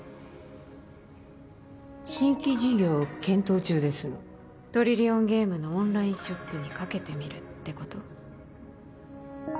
新規事業を検討中ですのトリリオンゲームのオンラインショップにかけてみるってこと？